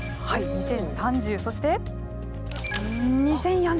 ２０３０そして２０４０。